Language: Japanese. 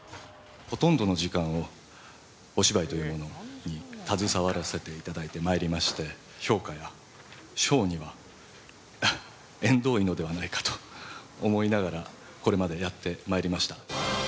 ほとんどの時間をお芝居というものに携わらせていただきまして、評価や賞には縁遠いのではないかと思いながら、これまでやってまいりました。